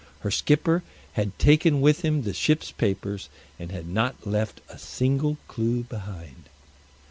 Her skipper had taken with him the ship's papers, and had not left a single clue behind.